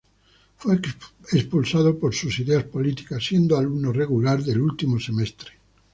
Fue expulsado por sus ideas políticas siendo alumno regular del último semestre.